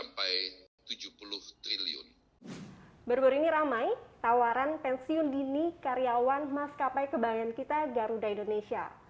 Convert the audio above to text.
berburu ini ramai tawaran pensiun dini karyawan mas kapai kebayang kita garuda indonesia